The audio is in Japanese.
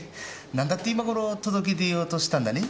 何だって今頃届け出ようとしたんだね？